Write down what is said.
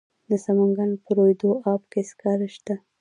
د سمنګان په روی دو اب کې سکاره شته.